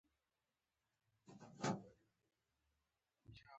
زه ډاډه یم چې موږ به دا بحثونه نه کول